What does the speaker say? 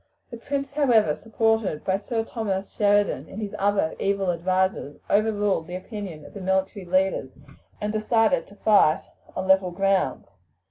The prince, however, supported by Sir Thomas Sheridan and his other evil advisers, overruled the opinion of the military leaders, and decided to fight on level ground.